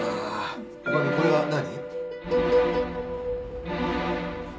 女将これは何？